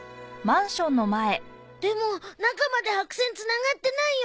でも中まで白線つながってないよ。